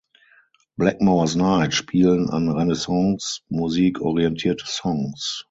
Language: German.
Blackmore’s Night spielen an Renaissancemusik orientierte Songs.